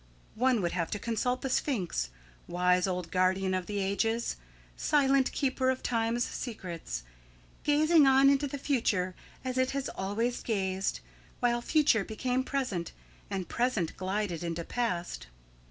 One would have to consult the Sphinx wise old guardian of the ages, silent keeper of Time's secrets, gazing on into the future as It has always gazed, while future became present, and present glided into past.